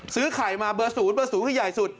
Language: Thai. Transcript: ซื้อไข่มาเบอร์สูญก็เบอร์สูญใหญ่สุด